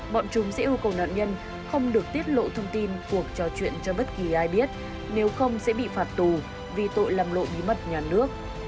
bọn chúng sẽ yêu cầu nạn nhân không được tiết lộ thông tin cuộc trò chuyện cho bất kỳ ai biết nếu không sẽ bị phạt tù vì tội làm lộ bí mật nhà nước